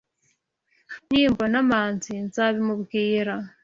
Nimbona Manzi, nzabimubwira.